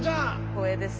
光栄です。